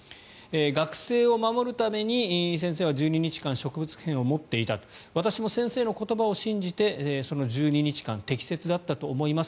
学生を守るために先生は１２日間、植物片を持っていた私も先生の言葉を信じてその１２日間適切だったと思います